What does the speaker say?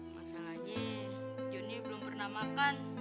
masalahnya joni belum pernah makan